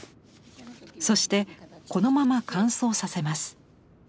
そしてこのまま乾燥させます。